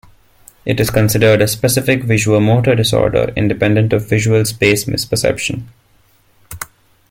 It is considered a specific visuomotor disorder, independent of visual space misperception.